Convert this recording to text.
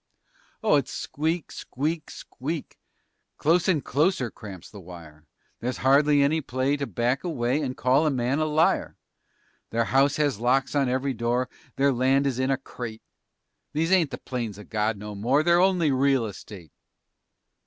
Oh, it's squeak! squeak! squeak! Close and closer cramps the wire. There's hardly play to back away And call a man a liar. Their house has locks on every door; Their land is in a crate. These ain't the plains of God no more, _They're only real estate.